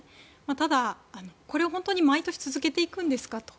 ただ、これを本当に毎年続けていくんですかと。